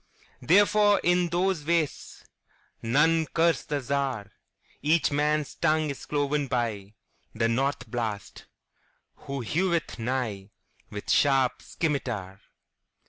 Therefore, in those wastesNone curse the Czar.Each man's tongue is cloven byThe North Blast, who heweth nighWith sharp scymitar.